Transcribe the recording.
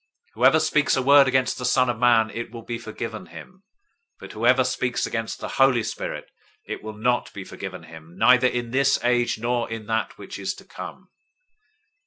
012:032 Whoever speaks a word against the Son of Man, it will be forgiven him; but whoever speaks against the Holy Spirit, it will not be forgiven him, neither in this age, nor in that which is to come.